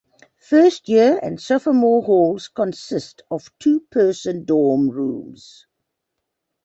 First-year and sophomore halls consist of two-person dorm rooms.